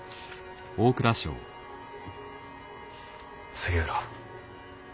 杉浦。